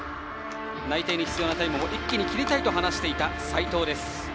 内定に必要なタイムを一気に切りたいと話していた斎藤です。